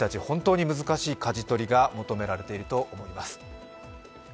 本当に難しいかじ取りが求められていると思います。